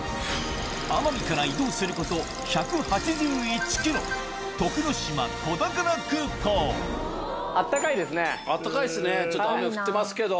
奄美から移動すること１８１ｋｍ徳之島子宝空港暖かいですねちょっと雨降ってますけど。